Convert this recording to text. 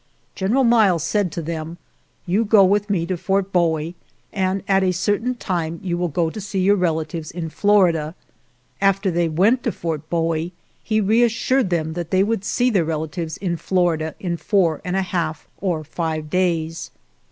"General Miles said to them: 'You go with me to Fort Bowie and at a certain time you will go to see your relatives in Florida.' After they went to Fort Bowie he reassured them that they would see their relatives in Florida in four and a half or five days.